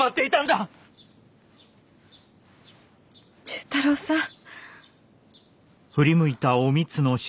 忠太郎さん。